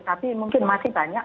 tapi mungkin masih banyak